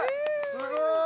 すごい！